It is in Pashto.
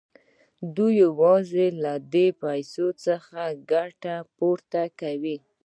دوی یوازې له دې پیسو څخه ګټه پورته کوي